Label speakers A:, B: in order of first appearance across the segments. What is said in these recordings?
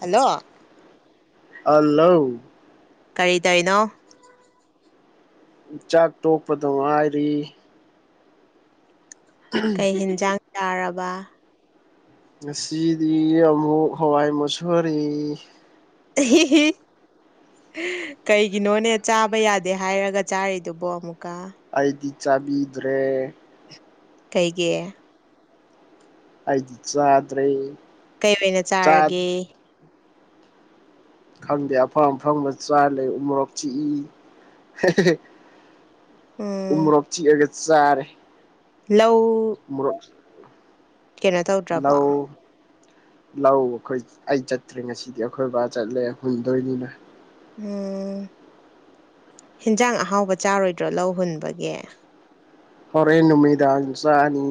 A: Hello
B: ꯑꯜꯂꯧ
A: ꯀꯩ ꯗꯩꯅꯣ
B: ꯆꯥꯛ ꯇꯣꯛꯄꯗ ꯉꯥꯏꯔꯤ
A: ꯀꯩ ꯍꯤꯟꯖꯥꯡ ꯆꯥꯔꯕ
B: ꯉꯁꯤꯗꯤ ꯑꯃꯨꯛ ꯍꯋꯥꯏ ꯃꯨꯁꯣꯔꯤ
A: ꯑꯍꯤ ꯍꯤ ꯀꯩꯒꯤꯅꯣꯅꯦ ꯆꯥꯕ ꯌꯥꯗꯦ ꯍꯥꯏꯔꯒ ꯆꯥꯔꯤꯗꯨꯕꯣ ꯑꯃꯨꯛꯀ
B: ꯑꯩꯗꯤ ꯆꯥꯕꯤꯗ꯭ꯔꯦ
A: ꯀꯩꯒꯤ
B: ꯑꯩꯗꯤ ꯆꯥꯗ꯭ꯔꯦ
A: ꯀꯩ ꯑꯣꯏꯅ
B: ꯆꯥ
A: ꯆꯥꯔꯒꯦ
B: ꯈꯪꯗꯦ ꯑꯐꯪ ꯑꯐꯪꯕ ꯆꯥ ꯂꯩ ꯎ-ꯃꯣꯔꯣꯛ ꯆꯤꯛ ꯏ
A: ꯎꯝ
B: ꯎ-ꯃꯣꯔꯣꯛ ꯆꯤꯛꯑꯒ ꯆꯥꯔꯦ
A: ꯂꯧ
B: ꯃꫭꯔꫭꯛꯁ
A: ꯀꯩꯅꯣ ꯇꯧꯗ꯭ꯔꯕꯣ
B: ꯂꯧ ꯂꯧ ꯑꯩꯈꯣꯏ ꯑꯩ ꯆꯠꯇ꯭ꯔꯦ ꯉꯁꯤꯗꯤ ꯑꯩꯈꯣꯏ ꯕꯥ ꯆꯠꯂꯦ ꯍꯨꯟꯗꯣꯏꯅꯤꯅ
A: ꯎꯝ ꯍꯤꯟꯖꯥꯡ ꯑꯍꯥꯎꯕ ꯆꯥꯔꯣꯏꯗ꯭ꯔꯣ ꯂꯧ ꯍꯨꯟꯕꯒꯤ
B: ꯍꯣꯔꯦꯟ ꯅꯨꯃꯤꯗꯥꯡ ꯆꯥꯅꯤ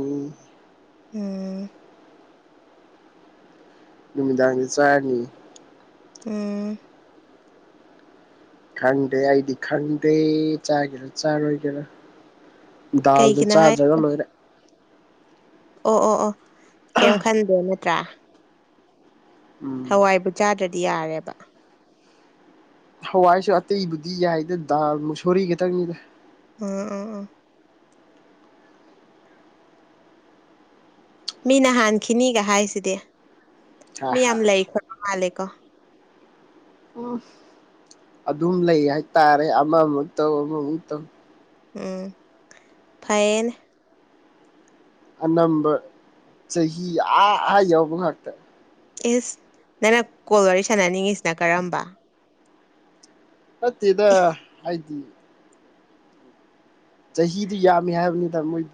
A: ꯎꯝ꯫
B: ꯅꯨꯃꯤꯗꯥꯡꯗꯤ ꯆꯥꯔꯅꯤ
A: ꯎꯝ꯫
B: ꯈꯪꯗꯦ ꯑꯩꯗꯤ ꯈꯪꯗꯦ ꯆꯥꯒꯦꯔꯥ ꯆꯥꯔꯣꯏꯒꯦꯔꯥ ꯗꯥꯎꯗ
A: ꯀꯩꯒꯤꯅꯣ ꯍꯥꯏ
B: ꯆꯥꯖꯔꯥ ꯂꫭꯏꯔꯦ
A: ꯑꯣ ꯑꯣ ꯑꯣ ꯀꯩꯝ ꯈꯟꯗꯦ ꯅꯠꯇ꯭ꯔꯥ
B: ꯎꯝ꯫
A: ꯍꯋꯥꯏꯕꯨ ꯆꯥꯗ꯭ꯔꯥꯗꯤ ꯌꯥꯔꯦꯕ
B: ꯍꯋꯥꯏꯁꯨ ꯑꯇꯩꯕꯨꯗꯤ ꯌꯥꯏꯗ ꯗꯥꯜ ꯃꯨꯁꯣꯔꯤ ꯈꯛꯇꯪꯅꯤꯗ
A: ꯑꯥ ꯑꯥ ꯃꯤꯅ ꯍꯥꯟꯈꯤꯅꯤꯒ ꯍꯥꯏꯁꯤꯗꯤ
B: ꯍꯥ
A: ꯃꯤ
B: ꯍꯥ
A: ꯌꯥꯝ ꯂꯩ ꯈꯣꯠꯄ ꯃꯥꯜꯂꯦꯀꯣ
B: ꯎꯝ ꯑꯗꯨꯝ ꯂꯩ ꯍꯥꯏꯇꯥꯔꯦ ꯑꯃꯃꯨꯛ ꯇꯧ ꯑꯃꯃꯨꯛ ꯇꯧ
A: ꯎꯝ ꯐꯩꯅꯦ
B: ꯑꯅꯝꯕ ꯆꯍꯤ ꯑꯥ ꯑꯥ ꯌꯧꯕ ꯉꯥꯛꯇ
A: ꯏꯁ ꯅꯪꯅ ꯀꯣꯜ ꯋꯥꯔꯤ ꯁꯥꯟꯅꯅꯤꯡꯉꯤꯁꯤꯅ ꯀꯔꯝꯕ
B: ꯅꯠꯇꯦꯗ ꯍꯥꯏꯗꯤ ꯆꯍꯤꯗꯨ ꯌꯥꯝꯃꯤ ꯍꯥꯏꯕꯅꯤꯗ ꯃꯣꯏ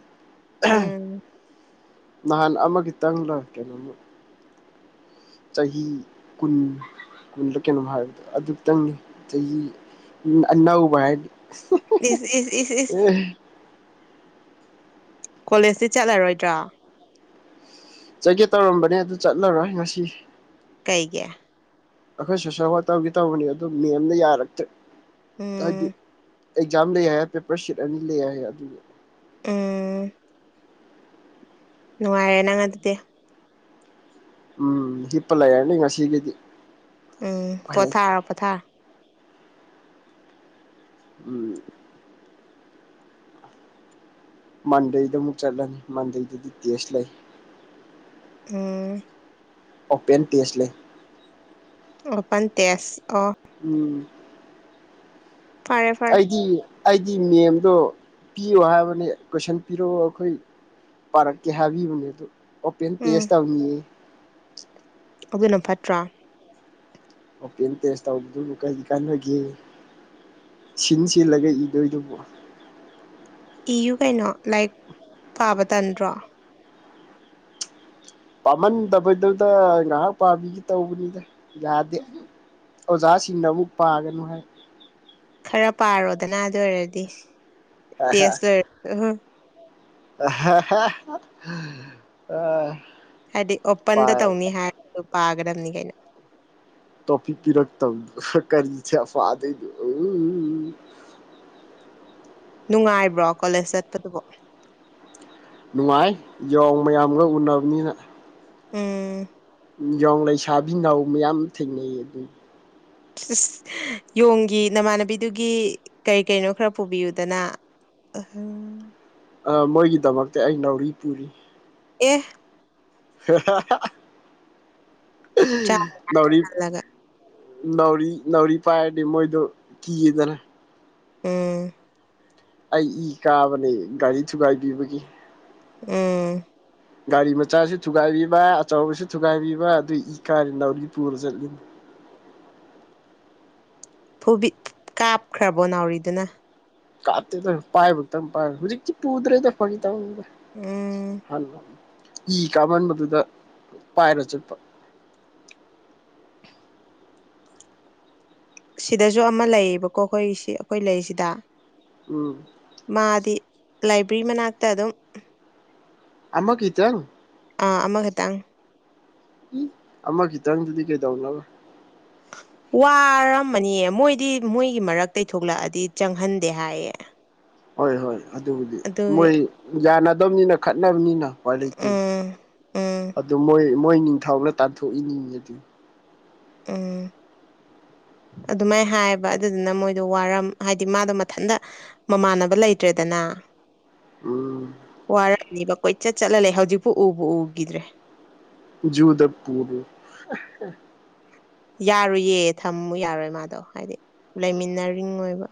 A: ꯎꯝ
B: ꯅꯍꯥꯟ ꯑꯃꯒꯤꯇꯪꯪ ꯂꯣꯏꯑꯦ ꯀꯩꯅꯣꯝꯃꯤ ꯆꯍꯤ ꯀꯨꯟ ꯀꯜꯂ ꯀꯩꯅꯣ ꯍꯥꯏꯕꯗꯣ ꯑꯗꯨꯇꯪꯅꯤ ꯆꯍꯤ ꯑꯅꯧꯕ ꯍꯥꯏꯗꯤ
A: ꯏꯁ ꯏꯁ ꯏꯁ ꯏꯁ
B: ꯑꯦ
A: ꯀꯣꯂꯦꯖꯇꯤ ꯆꯠꯂꯔꯣꯏꯗ꯭ꯔꫭ
B: ꯆꯠꯀꯦ ꯇꯧꯔꯝꯕꯅꯦ ꯑꯗꯨ ꯆꯠꯂꯔꯣꯏ ꯉꯁꯤ
A: ꯀꯩꯒꯤ
B: ꯑꯈꯣꯏ ꯁꯣꯁꯦꯜ ꯋꯥꯛ ꯇꯧꯒꯦ ꯇꯧꯕꯅꯤ ꯑꯗꯨ ꯃꯦꯝꯅ ꯌꯥꯔꯛꯇꯦ ꯍꯥꯏꯗꯤ
A: ꯎꯝ
B: ꯑꯦꯛꯖꯥꯝ ꯂꯩ ꯍꯥꯏꯌꯦ ꯄꯦꯄꯔ ꯁꯤꯠ ꯑꯅꯤ ꯂꯩ ꯍꯥꯏꯌꯦ ꯑꯗꯨꯒꯤ
A: ꯎꯝ꯫ ꯅꯨꯡꯉꯥꯏꯔꯦ ꯅꯪ ꯑꯗꯨꯗꯤ
B: ꯎꯝ ꯍꯤꯞꯄ ꯂꯩꯔꯥꯅꯤ ꯉꯁꯤꯒꯤꯗꯤ
A: ꯎꯝ
B: ꯎꯄꯥꯏ ꯂꯩꯇ꯭ꯔꯦ
A: ꯄꯣꯊꯥꯔꯣ ꯄꯣꯊꯥꯔꯣ
B: ꯎꯝ꯫ ꯃꯟꯗꯦꯗ ꯑꯃꯨꯛ ꯆꯠꯂꯅꯤ ꯃꯟꯗꯦꯗꯗꯤ ꯇꯦꯁ꯭ꯠ ꯂꯩ꯫
A: ꯎꯝ꯫
B: ꯑꯣꯄꯦꯟ ꯇꯦꯁ꯭ꯠ ꯂꯩ
A: ꯑꯣꯄꯥꯟ ꯇꯦꯁ꯭ꯠ ꯑꯣ
B: ꯎꯝ꯫
A: [unintelligible]
B: ꯑꯩꯗꯤ ꯑꯩꯗꯤ ꯃꯦꯝꯗꯣ ꯄꯤꯌꯣ ꯍꯥꯏꯕꯅꯦ ꯀꯣꯏꯁꯟ ꯄꯤꯔꯛꯑꯣ ꯑꯈꯣꯏ ꯄꯥꯔꯛꯀꯦ ꯍꯥꯏꯕꯤꯕꯅꯦ ꯑꯗꯨ ꯑꯣꯄꯦꯟ ꯇꯦꯁ
A: ꯎꯝ
B: ꯇꯧꯅꯤꯌꯦ
A: ꯑꯗꯨꯅ ꯐꯠꯇ꯭ꯔꯥ
B: ꯑꯣꯄꯦꯟ ꯇꯦꯁ ꯇꯧꯕꯗꯨꯕꯨ ꯀꯩ ꯀꯥꯟꯅꯒꯦ ꯁꯤꯟ ꯁꯤꯜꯂꯒ ꯏꯗꯣꯏꯗꯨꯕꯨ
A: ꯏꯌꯨ ꯀꯩꯅꯣ ꯂꯥꯏꯛ ꯄꯥꯕ ꯇꯟꯗ꯭ꯔꯣ
B: ꯄꯃꯟꯗꯕꯗꯨꯗ ꯉꯥꯏꯍꯛ ꯄꯕꯤꯒꯦ ꯇꯧꯕꯅꯤꯗ ꯌꯗꯦ ꯑꯣꯖꯥꯁꯤꯡꯅ ꯑꯃꯨꯛ ꯄꯒꯅꯨ ꯍꯥꯏ
A: ꯈꯔ ꯄꯔꯣꯗꯅ ꯑꯗꯨ ꯑꯣꯏꯔꯗꯤ
B: ꯍꯥꯏ
A: ꯇꯦꯁ ꯂꯣꯏꯔ ꯍꯨꯡ
B: ꯑꯍꯥꯍꯥꯍꯥꯍꯥꯍꯥ ꯑꯥ
A: ꯍꯥꯏꯗꯤ ꯑꯣꯄꯟꯗ ꯇꯧꯅꯤ ꯍꯥꯏꯔꯁꯨ ꯄꯒꯗꯕꯅꯤ ꯀꯩꯅꯣ
B: ꯇꯣꯞꯄꯤꯛ ꯄꯤꯔꯛꯇꯕꯗꯨ ꯀꯔꯤꯆꯦꯄꯗꯣꯏꯅꯣ
A: ꯅꯨꯡꯉꯥꯏꯕ꯭ꯔꯣ ꯀꯣꯂꯦꯖ ꯆꯠꯄꯗꯨꯕꯨ
B: ꯅꯨꯡꯉꯥꯏ ꯌꯣꯡ ꯃꯌꯥꯝꯒ ꯎꯅꯕꯅꯤꯅ
A: ꯎꯝ
B: ꯌꯣꯡꯂꯩꯁꯕꯤꯅꯥꯎ ꯃꯌꯥꯝ ꯊꯦꯡꯅꯩ ꯑꯗꯨꯒꯤ
A: ꯁꯤꯁ ꯌꯣꯡꯒꯤ ꯅꯃꯥꯟꯅꯕꯤꯗꯨꯒꯤ ꯀꯩ ꯀꯩꯅꯣ ꯈꯔ ꯄꯨꯕꯤꯌꯨꯗꯅ ꯑꯍꯝ
B: ꯑꯥ ꯃꯣꯏꯒꯤꯗꯃꯛꯇ ꯑꯩ ꯅꯥꯎꯔꯤ ꯄꯨꯔꯤ
A: ꯑꯦ
B: ꯍꯦꯍꯥꯍꯥꯍꯥ ꯅꯥꯎꯔꯤ
A: ꯆꯥꯜꯂꯒ
B: ꯅꯥꯎꯔꯤ ꯅꯥꯎꯔꯤ ꯄꯥꯏꯔꯗꯤ ꯃꯣꯏꯗꯣ ꯀꯤꯌꯦꯗꯅ
A: ꯎꯝ
B: ꯑꯩ ꯏ ꯀꯕꯅꯦ ꯒꯥꯔꯤ ꯊꯨꯒꯥꯏꯕꯤꯕꯒꯤ
A: ꯎꯝ
B: ꯒꯥꯔꯤ ꯃꯆꯥꯁꯨ ꯊꯨꯒꯥꯏꯕꯤꯕ ꯑꯆꯧꯕꯁꯨ ꯊꯨꯒꯥꯏꯕꯤꯕ ꯑꯗꯨꯏ ꯏ ꯀꯥꯔꯤ ꯅꯥꯎꯔꯤ ꯄꯨꯔ ꯆꯠꯂꯤꯅꯤ
A: ꯐꯨꯕꯤ ꯀꯥꯞꯈ꯭ꯔꯕꯣ ꯅꯥꯎꯔꯤꯗꯨꯅ
B: ꯀꯞꯇꯦꯗ ꯄꯥꯏꯕ ꯈꯛꯇꯪ ꯄꯥꯏ ꯍꯧꯖꯤꯛꯇꯤ ꯄꯨꯗ꯭ꯔꯦꯗ ꯐꯒꯤ ꯇꯧꯅꯤꯗ
A: ꯎꯝ
B: ꯏ ꯀꯥꯃꯟꯕꯗꯨꯗ ꯄꯥꯏꯔ ꯆꯠꯄ
A: ꯁꯤꯗꯖꯨ ꯑꯃ ꯂꯩꯌꯦꯕꯀꯣ ꯑꯈꯣꯏ ꯁꯤ ꯑꯈꯣꯏ ꯂꯩꯁꯤꯗ
B: ꯎꯝ
A: ꯃꯥꯗꯤ ꯂꯥꯏꯕ꯭ꯔꯤ ꯃꯅꯥꯛꯇ ꯑꯗꯨꯝ
B: ꯑꯃꯈꯤꯇꯪ
A: ꯑꯥ ꯑꯃꯈꯇꯪ
B: ꯑꯃ ꯒꯤꯇꯪꯗꯨꯗꯤ ꯀꯩꯗꯧꯅꯕ
A: ꯋꯥꯔꯝꯃꯅꯤꯌꯦ ꯃꯣꯏꯗꯤ ꯃꯣꯏꯒꯤ ꯃꯔꯛꯇꯩ ꯊꯣꯛꯂꯛꯑꯗꯤ ꯆꯪꯍꯟꯗꯦ ꯍꯥꯏꯌꯦ
B: ꯍꯣꯏ ꯍꯣꯏ ꯑꯗꯨꯕꯨꯗꯤ
A: ꯑꯗꯨꯒꯤ
B: ꯃꯣꯏ ꯌꯥꯅꯗꯕꯅꯤꯅ ꯈꯠꯅꯕꯅꯤꯅ ꯎꯄꯥꯏꯂꯩꯇꯦ
A: ꯎꯝ ꯎꯝ
B: ꯑꯗꯨ ꯃꯣꯏ ꯃꯣꯏ ꯅꯤꯡꯊꯧꯅ ꯇꯥꯟꯊꯣꯛꯏꯅꯤꯌꯦ ꯑꯗꯨ
A: ꯎꯝ ꯑꯗꯨꯃꯥꯏ ꯍꯥꯏ ꯑꯗꯨꯗꯨꯅ ꯃꯣꯏꯗꯣ ꯋꯥꯔꯝ ꯍꯥꯏꯗꯤ ꯃꯗꯣ ꯃꯊꯟꯗ ꯃꯃꯥꯟꯅꯕ ꯂꯩꯇ꯭ꯔꯦꯗꯅ
B: ꯎꯝ
A: ꯋꯥꯔꯝꯅꯤꯕ ꯀꯣꯏꯆꯠ ꯆꯠꯂ ꯂꯩ ꯍꯧꯖꯤꯛꯄꯨ ꯎꯕꯨ ꯎꯒꯤꯗ꯭ꯔꯦ
B: ꯖꯨꯗ ꯄꯨꯔꯣ ꯑꯍ
A: ꯌꯥꯔꯣꯏꯌꯦ ꯊꯝꯃꯨ ꯌꯥꯔꯣꯏ ꯃꯥꯗꯣ ꯍꯥꯏꯗꯤ ꯂꯩꯃꯤꯟꯅꯔꯤꯡꯉꯣꯏꯕ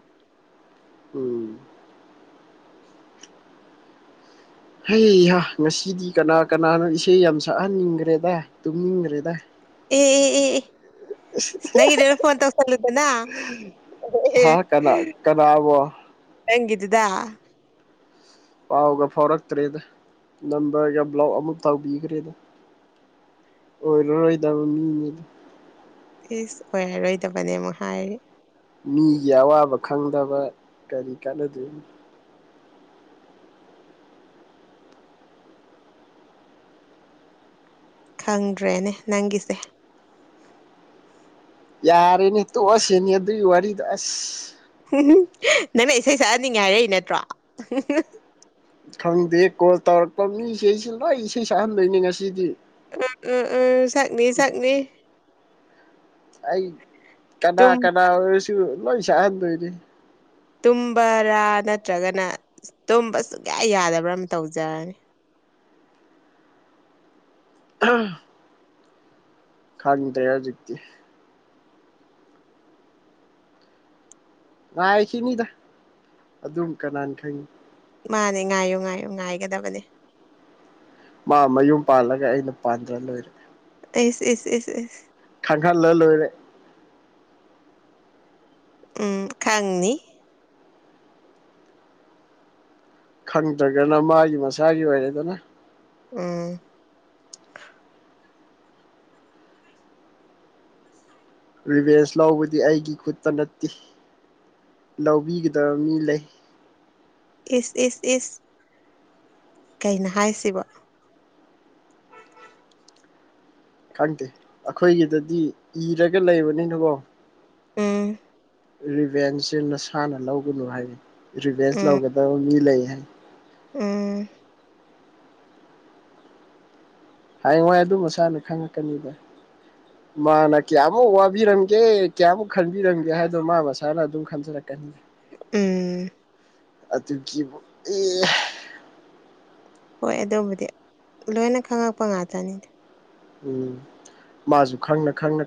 B: ꯎꯝ ꯍꯩ ꯍꯥ ꯉꯁꯤꯗꯤ ꯀꯅꯥ ꯀꯅꯥꯅꯣ ꯏꯁꯩ ꯌꯥꯝ ꯁꯛꯍꯟꯅꯤꯡꯈ꯭ꯔꯦꯗꯥꯏ ꯇꯨꯝꯅꯤꯡꯈ꯭ꯔꯦꯗꯥ
A: ꯑꯦ ꯑꯦ ꯑꯦ ꯅꯪꯒꯤꯗꯨꯗ ꯐꯣꯟ ꯇꯧꯁꯜꯂꯨꯗꯅ
B: ꯍꯥ
A: ꯑꯦ
B: ꯀꯅꯥ ꯀꯅꯥꯕꯣ
A: ꯅꯪꯒꯤꯗꯨꯗ
B: ꯄꯥꯎꯒ ꯐꯥꯎꯔꯛꯇ꯭ꯔꯦꯗ ꯅꯝꯕꯔꯒ ꯕ꯭ꯂꯣꯛ ꯑꯃꯨꯛ ꯇꯧꯕꯤꯈ꯭ꯔꯦꯗ ꯑꯣꯏꯔꯔꯣꯏꯗꯕ ꯃꯤꯅꯤꯗ
A: ꯏꯁ ꯑꯣꯏꯔꯔꯣꯏꯗꯕꯅꯦ ꯑꯃꯨꯛ ꯍꯥꯏꯔꯦ
B: ꯃꯤꯒꯤ ꯑꯋꯥꯕ ꯈꯪꯗꯕ ꯀꯔꯤ ꯀꯥꯟꯅꯗꯣꯏꯅꯣ
A: ꯈꯪꯗ꯭ꯔꯦꯅꯦ ꯅꯪꯒꯤꯁꯦ
B: ꯌꯥꯔꯦꯅꯦ ꯇꯣꯛꯑꯁꯅꯤ ꯑꯗꯨꯒꯤ ꯋꯥꯔꯤꯗꯣ ꯑꯁ
A: ꯅꯪꯅ ꯏꯁꯩ ꯁꯛꯍꯟꯅꯤꯡꯉꯦ ꯍꯥꯏꯔꯛꯏ ꯅꯠꯇ꯭ꯔꯣ
B: ꯈꯪꯗꯦ ꯀꯣꯜ ꯇꯧꯔꯛꯄ ꯃꯤꯁꯩ ꯁꯦ ꯂꯣꯏ ꯏꯁꯩ ꯁꯛꯍꯟꯗꯣꯏꯅꯦ ꯉꯁꯤꯗꯤ
A: ꯎꯝ ꯎꯝ ꯎꯝ ꯁꯛꯅꯤ ꯁꯛꯅꯤ
B: ꯑꯩ ꯀꯅꯥ
A: ꯇꯨꯝ
B: ꯀꯅꯥ ꯑꯣꯏꯔꯁꯨ ꯂꯣꯏ ꯁꯛꯍꯟꯗꯣꯏꯅꯤ
A: ꯇꯨꯝꯕꯔꯥ ꯅꯠꯇ꯭ꯔꯒꯅ ꯇꯨꯝꯕ ꯁꯨꯛꯌꯥ ꯌꯥꯗꯕ꯭ꯔꯥ ꯑꯃ ꯇꯧꯖꯔꯅꯤ
B: ꯑꯥ ꯈꯪꯗ꯭ꯔꯦ ꯍꯧꯖꯤꯛꯇꯤ ꯉꯥꯏꯈꯤꯅꯤꯗ ꯑꯗꯨꯝ ꯀꯅꯥꯅ ꯈꯪꯅꯤ
A: ꯃꯥꯅꯦ ꯉꯥꯏꯌꯨ ꯉꯥꯏꯌꯨ ꯉꯥꯏꯒꯗꯕꯅꯦ
B: ꯃꯥ ꯃꯌꯨꯝ ꯄꯥꯜꯂꯒ ꯑꯩꯅ ꯄꯥꯟꯗ꯭ꯔ ꯂꯣꯏꯔꯦ
A: ꯑꯦꯁ ꯑꯦꯁ ꯑꯦꯁ ꯑꯦꯁ
B: ꯈꯪꯍꯜꯂ ꯂꯣꯏꯔꯦ
A: ꯎꯝ ꯈꯪꯅꯤ
B: ꯈꯪꯗ꯭ꯔꯒꯅ ꯃꯥꯒꯤ ꯃꯁꯥꯒꯤ ꯑꯣꯏꯔꯦꯗꯅ
A: ꯎꯝ
B: ꯔꯤꯚꯦꯟꯁ ꯂꯧꯕꯗꯤ ꯑꯩꯒꯤ ꯈꯨꯠꯇ ꯅꯠꯇꯦ ꯂꯧꯕꯤꯒꯗꯕ ꯃꯤ ꯂꯩ
A: ꯏꯁ ꯏꯁ ꯏꯁ ꯀꯩꯅ ꯍꯥꯏꯁꯤꯕꯣ
B: ꯈꯪꯗꯦ ꯑꯩꯈꯣꯏꯒꯤꯗꯗꯤ ꯏꯔꯒ ꯂꯩꯕꯅꯤꯅꯀꯣ
A: ꯎꯝ
B: ꯔꯤꯚꯦꯟꯁꯁꯦ ꯅꯁꯥꯅ ꯂꯧꯒꯅꯨ ꯍꯥꯏ ꯔꯤꯚꯦꯟꯁ
A: ꯎꯝ
B: ꯂꯧꯒꯗꯕ ꯃꯤ ꯂꯩ ꯍꯥꯏ
A: ꯎꯝ
B: ꯍꯌꯦꯡ ꯋꯥꯏ ꯑꯗꯨ ꯃꯁꯥꯅ ꯈꯪꯉꯛꯀꯅꯤꯗ ꯃꯥꯅ ꯀꯌꯥꯃꯨꯛ ꯋꯥꯕꯤꯔꯝꯒꯦ ꯀꯌꯥꯃꯨꯛ ꯈꯟꯕꯤꯔꯝꯒꯦ ꯍꯥꯏꯗꯣ ꯃꯥ ꯃꯁꯥꯅ ꯑꯗꯨꯝ ꯈꯟꯖꯔꯛꯀꯅꯤ
A: ꯎꯝ
B: ꯑꯗꯨꯒꯤꯕꯨ ꯑꯦ
A: ꯍꯣꯏ ꯑꯗꯨꯕꯨꯗꯤ ꯂꯣꯏꯅ ꯈꯪꯉꯛꯄ ꯉꯥꯛꯇꯅꯤꯗ
B: ꯎꯝ ꯃꯥꯁꯨ ꯈꯪꯅ ꯈꯪꯅ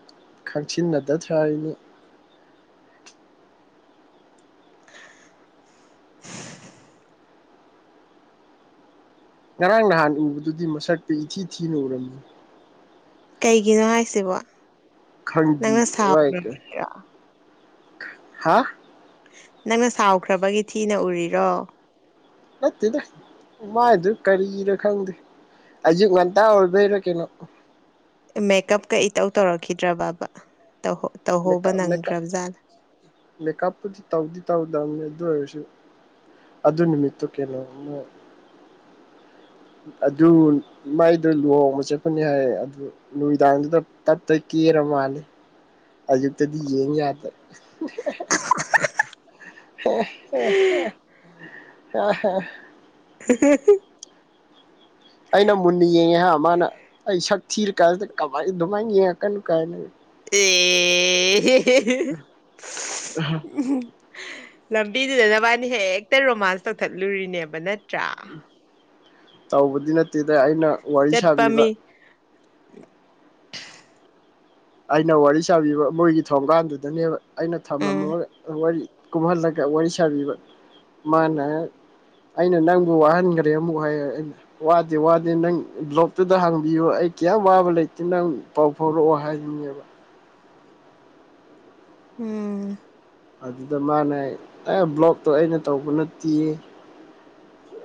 B: ꯈꯪꯁꯤꯟꯅꯗ ꯁꯥꯔꯤꯅꯤ ꯉꯔꯥꯡ ꯅꯍꯥꯟ ꯎꯕꯗꯨꯗꯤ ꯃꯁꯛꯇꯨ ꯏꯊꯤ ꯊꯤꯅ ꯎꯔꯝꯃꯤ
A: ꯀꯩꯒꯤꯅꯣ ꯍꯥꯏꯁꯤꯕꯣ
B: ꯈꯪꯗꯤ
A: ꯅꯪꯅ
B: ꯋꯥ
A: ꯁꯥꯎꯔꯤꯔꯣ
B: ꯍꯥ
A: ꯅꯪꯅ ꯁꯥꯎꯈ꯭ꯔꯕꯒꯤ ꯊꯤꯅ ꯎꯔꯤꯔꯣ
B: ꯅꯠꯇꯦꯗꯥ ꯃꯥꯏꯗꯨ ꯀꯔꯤꯔ ꯈꯪꯗꯦ ꯑꯌꯨꯛ ꯉꯟꯇꯥ ꯑꯣꯏꯕꯩꯔꯥ ꯀꯩꯅꯣ
A: ꯃꯦꯀꯞꯀ ꯏꯇꯧ ꯇꯧꯔꯛꯈꯤꯗ꯭ꯔ ꯕꯕꯥ ꯇꯧꯍꯧ
B: ꯃꯦꯀꯞ ꯃꯦꯀꯞ ꯃꯦꯀꯞꯄꯨꯗꯤ ꯇꯧꯗꯤ ꯇꯥꯎꯗꯝꯅꯤ ꯑꯗꯣꯏꯔꯁꯨ ꯑꯗꯨꯅꯤꯃꯤꯠꯇꯣ ꯀꯩꯅꯣ ꯑꯃ ꯑꯗꯨ ꯃꯥꯏꯗꯨ ꯂꯨꯍꯣꯡꯕ ꯆꯠꯄꯅꯤ ꯍꯥꯏꯌꯦ ꯑꯗꯨ ꯅꯨꯃꯤꯗꯥꯥꯡꯗꯨꯗ ꯇꯞꯇꯥꯏ ꯀꯦꯔ ꯃꯥꯜꯂꯦ ꯑꯌꯨꯛꯇꯗꯤ ꯌꯦꯡ ꯌꯥꯗꯕ
A: [unintelligible]
B: [unintelligible]
A: [unintelligible]
B: ꯑꯩꯅ ꯃꯨꯟꯅ ꯌꯦꯡꯉꯦ ꯍꯥ ꯃꯥꯅ ꯑꯩ ꯁꯛ ꯊꯤꯔꯥ ꯀꯥꯟꯁꯤꯗ ꯀꯃꯥꯏ ꯑꯗꯨꯃꯥꯏꯅ ꯌꯦꯡꯉꯛꯀꯅꯨ ꯀꯥꯏꯅ
A: ꯑꯦ ꯂꯝꯕꯤꯗꯨꯗ ꯅꯕꯥꯅꯤ ꯍꯦꯛꯇ ꯔꯣꯃꯥꯟꯁ ꯇꯧꯊꯠꯂꯨꯔꯤꯅꯦꯕ ꯅꯠꯇ꯭ꯔꯥ?
B: ꯇꯧꯕꯗꯤ ꯅꯠꯇꯦꯗ ꯑꯩꯅ ꯋꯥꯔꯤ
A: ꯆꯠꯄ
B: ꯁꯥꯕꯤꯕ꯫
A: ꯃꯤ
B: ꯑꯩꯅ ꯋꯥꯔꯤ ꯁꯥꯕꯤꯕ ꯃꯣꯏꯒꯤ ꯊꯣꯡꯒꯥꯟꯗꯨꯗꯅꯦꯕ ꯑꯩꯅ
A: ꯎꯝ
B: ꯊꯝꯂꯝꯃꯒ ꯋꯥꯔꯤ ꯀꯨꯝꯍꯜꯂꯒ ꯋꯥꯔꯤ ꯁꯥꯕꯤꯕ ꯃꯥꯅ ꯑꯩꯅ ꯅꯪꯕꯨ ꯋꯥꯍꯟꯒ꯭ꯔꯦ ꯑꯃꯨꯛ ꯍꯥꯏ ꯑꯩꯅ ꯋꯥꯗꯦ ꯋꯥꯗꯦ ꯅꯪ ꯕ꯭ꯂꯣꯛꯇꯨꯗ ꯍꯥꯡꯕꯤꯌꯨ ꯑꯩ ꯀꯦꯝ ꯋꯥꯕ ꯂꯩꯇꯦ ꯅꯪ ꯄꯥꯎ ꯐꯥꯎꯔꯛꯑꯣ ꯍꯥꯏ [unintelligible]
A: ꯎꯝ
B: ꯑꯗꯨꯗ ꯃꯥꯅ ꯑꯦ ꯕ꯭ꯂꯣꯛꯇꯣ ꯑꯩꯅ ꯇꯧꯕ ꯅꯠꯇꯤꯌꯦ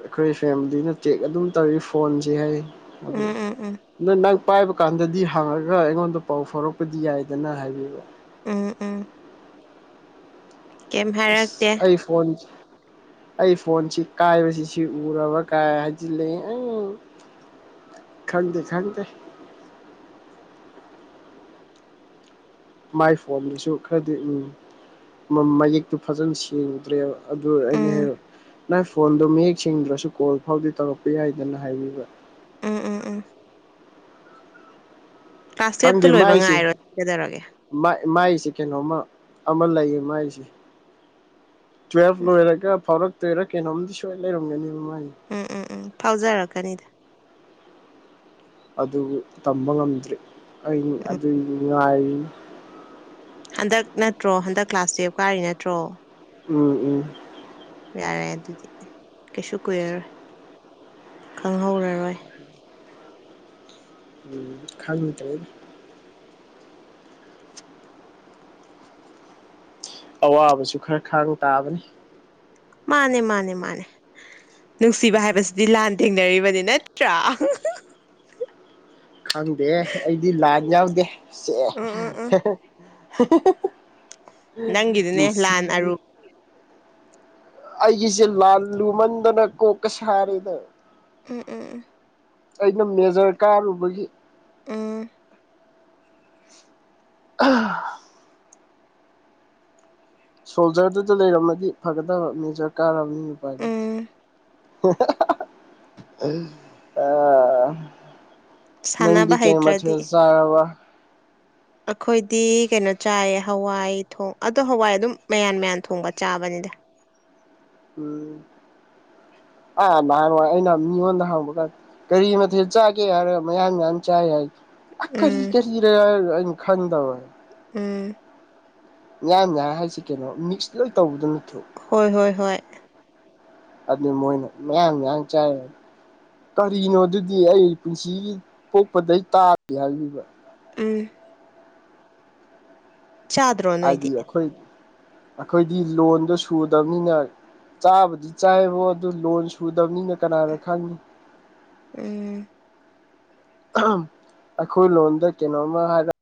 B: ꯑꯩꯈꯣꯏ ꯐꯦꯃꯤꯂꯤꯅ ꯆꯦꯛ ꯑꯗꯨꯝ ꯇꯧꯔꯤ ꯐꯣꯟꯁꯦ ꯍꯥꯏꯌꯦ ꯑꯗꯣ
A: ꯎꯝ ꯎꯝ ꯎꯝ
B: ꯑꯗꯣ ꯅꯪ ꯄꯥꯏꯕ ꯀꯥꯟꯗꯗꯤ ꯍꯥꯡꯉꯥꯒ ꯑꯩꯉꯣꯟꯗ ꯄꯥꯎ ꯐꯥꯎꯔꯛꯄꯗꯤ ꯌꯥꯏꯗꯅ ꯍꯥꯏꯕꯤꯕ
A: ꯎꯝ ꯎꯝ ꯀꯩꯝ
B: ꯑꯁ
A: ꯍꯥꯏꯔꯛꯇꯦ
B: ꯑꯩ ꯐꯣꯟ ꯑꯩ ꯐꯣꯟꯁꯤ ꯀꯥꯏꯕꯁꯤ ꯁꯤ ꯎꯔꯕ ꯀꯥꯏ ꯍꯥꯏꯖꯤꯜꯂꯒ ꯑꯪ ꯈꯪꯗ ꯈꯪꯗꯦ ꯃꯥꯏ ꯐꯣꯟꯗꯨꯁꯨ ꯈꯔꯗꯤ ꯎꯝ ꯃꯌꯦꯛꯇꯨ ꯐꯖꯅ ꯁꯦꯡꯗ꯭ꯔꯦꯕ ꯑꯗꯣ ꯑꯩꯅ
A: ꯎꯝ
B: ꯍꯦꯛ ꯅꯪ ꯐꯣꯟꯗꯣ ꯃꯌꯦꯛ ꯁꯦꯡꯗ꯭ꯔꯥꯁꯨ ꯀꯣꯜ ꯐꯥꯎꯗꯤ ꯇꯧꯔꯛꯄ ꯌꯥꯏꯗꯅ ꯍꯥꯏꯕꯤꯕ
A: ꯎꯝ ꯎꯝ ꯎꯝ ꯀ꯭ꯂꯥꯁ ꯇꯨꯌꯦꯞꯇꯣ ꯂꯣꯏꯕ ꯉꯥꯏꯔꯣ ꯀꯩꯗꯧꯔꯒꯦ
B: ꯃꯥꯏ ꯃꯥꯏꯁꯦ ꯀꯩꯅꯣꯝꯃꯥ ꯑꯃꯥ ꯂꯩꯌꯦ ꯃꯥꯏꯁꯦ ꯇꯨꯋꯦꯜꯐ ꯂꯣꯏꯔꯒ ꯐꯥꯎꯔꯛꯇꯣꯏꯔꯥ ꯀꯩꯅꯣꯝꯗꯤ ꯁꯣꯏ ꯂꯩꯔꯝꯒꯅꯤꯕ ꯃꯥꯏꯁꯦ꯫
A: ꯎꯝ ꯎꯝ ꯎꯝ ꯐꯥꯎꯖꯔꯛꯀꯅꯤꯗ
B: ꯑꯗꯨ ꯇꯝꯕ ꯉꯝꯗ꯭ꯔꯤ ꯑꯩ ꯑꯗꯨꯒꯤ ꯉꯥꯏꯔꯤꯅꯤ
A: ꯍꯟꯗꯛ ꯅꯠꯇ꯭ꯔꯣ ꯍꯟꯗꯛ ꯀ꯭ꯂꯥꯁ ꯇꯨꯌꯦꯞ ꯀꯥꯔꯤ ꯅꯠꯇ꯭ꯔꯣ
B: ꯎꯝ ꯎꯝ
A: ꯌꯥꯔꯦ ꯑꯗꯨꯗꯤ ꯀꯩꯁꯨ ꯀꯨꯏꯔꯥꯔꯣꯏ ꯈꯪꯍꯧꯔꯥꯔꯣꯏ
B: ꯎꯝ ꯈꯪꯗ꯭ꯔꯦꯅꯦ ꯑꯋꯥꯕꯁꯨ ꯈꯔ ꯈꯥꯡ ꯇꯥꯕꯅꯤ
A: ꯃꯥꯅꯦ ꯃꯥꯅꯦ ꯃꯥꯅꯦ ꯅꯨꯡꯁꯤꯕ ꯍꯥꯏꯕꯁꯤꯗꯤ ꯂꯥꯟ ꯊꯦꯡꯅꯔꯤꯕꯅꯤ ꯅꯠꯇ꯭ꯔꯥ
B: ꯈꯪꯗꯦ ꯑꯩꯗꯤ ꯂꯥꯟ ꯌꯥꯎꯗꯦ ꯁꯦ
A: ꯎꯝ ꯎꯝ ꯎꯝ ꯅꯪꯒꯤꯗꯨꯅꯦ ꯂꯥꯟ
B: ꯅꯨꯡꯁꯤꯕꯤ
A: ꯑꯔꯨ
B: ꯑꯩꯒꯤꯁꯦ ꯂꯥꯟ ꯂꯨꯃꯟꯗꯥꯅ ꯀꯣꯛꯀꯥ ꯁꯥꯔꯦꯗꯥ
A: ꯎꯝ ꯎꯝ ꯎꯝ
B: ꯑꯩꯅꯥ ꯃꯦꯖꯔ ꯀꯥꯔꯨꯕꯒꯤ
A: ꯎꯝ
B: [unintelligible] ꯁꯣꯜꯖꯔꯗꯨꯗꯥ ꯂꯩꯔꯝꯃꯗꯤ ꯐꯥꯒꯗꯕ ꯃꯦꯖꯔ ꯀꯥꯔꯝꯅꯤꯅ ꯎꯄꯥꯏ ꯂꯩꯇꯦ
A: ꯎꯝ
B: [unintelligible] ꯑꯥ ꯅꯪꯗꯤ
A: ꯁꯥꯟꯅꯕ
B: ꯀꯩ
A: ꯍꯩꯇ꯭ꯔꯗꯤ
B: ꯃꯊꯦꯜ ꯆꯥꯔꯕ
A: ꯑꯈꯣꯏꯗꯤ ꯀꯩꯅꯣ ꯆꯥꯏꯌꯦ ꯍꯋꯥꯏ ꯊꯣꯡ ꯑꯗꯣ ꯍꯋꯥꯏ ꯑꯗꯨꯝ ꯃꯌꯥꯟ ꯃꯌꯥꯟ ꯊꯣꯡꯕ ꯆꯥꯕꯅꯤꯗ
B: ꯎꯝ ꯑꯥ ꯅꯍꯥꯟ ꯋꯥꯏ ꯑꯩꯅ ꯃꯤꯉꯣꯟꯗ ꯍꯪꯕ ꯀꯥꯟ ꯀꯔꯤ ꯃꯊꯦꯜ ꯆꯥꯒꯦ ꯍꯥꯏꯔꯒ ꯃꯌꯥꯟ ꯃꯌꯥꯟ ꯆꯥꯏ ꯍꯥꯏ ꯑꯥ ꯀꯔꯤ
A: ꯎꯝ
B: ꯀꯔꯤꯔꯥ ꯑꯩꯅ ꯈꯪꯗꯕ
A: ꯎꯝ
B: ꯃ꯭ꯌꯥꯟ ꯃ꯭ꯌꯥꯟ ꯍꯥꯏꯁꯤ ꯀꯩꯅꯣ ꯃꯤꯛꯁ ꯂꯣꯏ ꯇꯧꯕꯗꯣ ꯅꯠꯇ꯭ꯔꯣ
A: ꯍꯣꯏ ꯍꯣꯏ ꯍꯣꯏ
B: ꯑꯗꯨꯗꯤ ꯃꯣꯏꯅ ꯃꯌꯥꯡ ꯃꯌꯥꯡ ꯆꯥꯏ ꯀꯔꯤꯅꯣ ꯑꯗꯨꯗꯤ ꯑꯩ ꯄꯨꯟꯁꯤꯒꯤ ꯄꯣꯛꯄꯗꯩ ꯇꯥꯗꯦ ꯍꯥꯏꯕꯤꯕ
A: ꯎꯝ ꯆꯥ
B: ꯍꯥꯏꯗꯤ ꯑꯈꯣꯏ ꯑꯈꯣꯏꯗꯤ ꯂꯣꯟꯗꯣ ꯁꯨꯗꯕꯅꯤꯅ ꯆꯥꯕꯗꯤ ꯆꯥꯏꯌꯦꯕꯣ ꯑꯗꯨ ꯂꯣꯟ ꯁꯨꯗꯕꯅꯤꯅ ꯀꯅꯥꯅ ꯈꯪꯅꯤ
A: ꯎꯝ
B: [unintelligible] ꯑꯈꯣꯏ ꯂꯣꯟꯗ ꯀꯩꯅꯣꯝꯃ ꯍꯥꯏꯔ